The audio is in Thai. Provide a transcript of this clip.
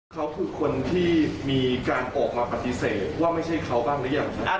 เขาคือคนที่มีการออกมาปฏิเสธว่าไม่ใช่เขาบ้างหรือยัง